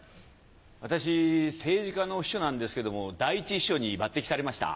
私政治家の秘書なんですけども第一秘書に抜擢されました。